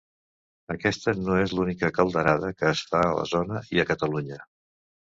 Aquesta no és l'única calderada que es fa a la zona i a Catalunya.